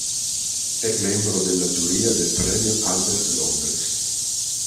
È membro della giuria del premio Albert Londres.